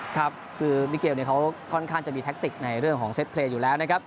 ครับคือมิเกลเขาค่อนข้างจะมีแท็กติกในเรื่องของเซ็ตเพลย์อยู่แล้วนะครับ